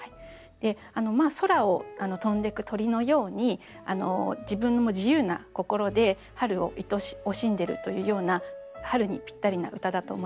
空を飛んでく鳥のように自分も自由な心で春を愛おしんでるというような春にぴったりな歌だと思いました。